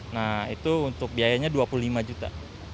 nah itu untuk biayanya dua puluh lima juta